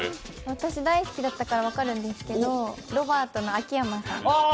私大好きだったから分かるんですけどロバートの秋山さん？